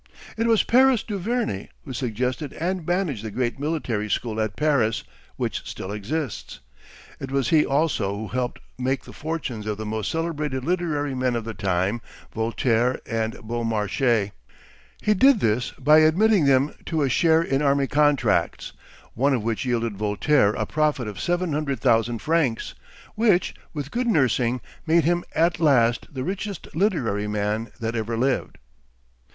It was Paris Duverney who suggested and managed the great military school at Paris, which still exists. It was he also who helped make the fortunes of the most celebrated literary men of his time, Voltaire and Beaumarchais. He did this by admitting them to a share in army contracts, one of which yielded Voltaire a profit of seven hundred thousand francs, which, with good nursing, made him at last the richest literary man that ever lived.